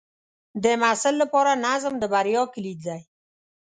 د محصل لپاره نظم د بریا کلید دی.